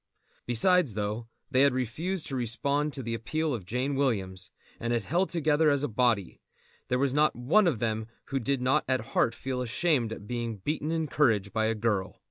Besides, though they had refused to respond to the appeal of Jane Williams, and had held together as a body, there was not one of them who did not at heart feel ashamed at being beaten in courage by a girl.